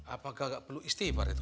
apakah nggak perlu istighfar itu